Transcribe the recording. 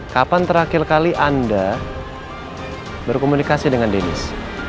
kapan terakhir kali anda berkomunikasi dengan deniz